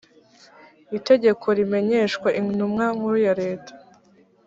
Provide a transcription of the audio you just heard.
itegeko rimenyeshwa intumwa nkuru ya leta